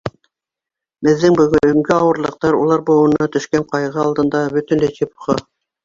Беҙҙең бөгөнгө ауырлыҡтар улар быуынына төшкән ҡайғы алдында бөтөнләй чепуха.